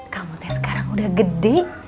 kamu teh sekarang udah gede